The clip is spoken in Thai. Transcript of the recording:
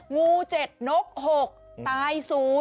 งู๗นก๖ตาย๐